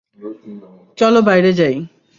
চলো বাইরে যাই?